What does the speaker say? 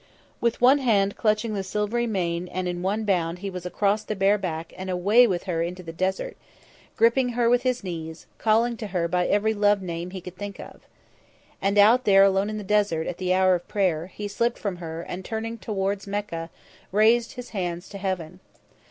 With one hand clutching the silvery mane and in one bound he was across the bare back and away with her into the desert, gripping her with his knees, calling to her by every love name he could think of. And out there alone in the desert at the hour of prayer, he slipped from her and, turning towards Mecca, raised his hands to heaven.